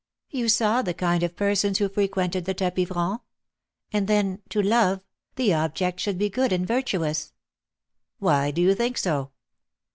"You saw the kind of persons who frequented the tapis franc. And then, to love, the object should be good and virtuous " "Why do you think so?"